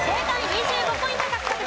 ２５ポイント獲得です。